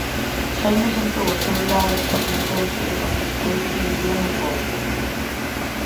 Xaime sentou ao seu lado, presentouse e contestoulle que vivía no pobo.